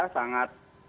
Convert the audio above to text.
sangat bersikap keras